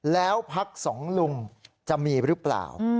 แล้วพักสองลุงจะมีหรือเปล่า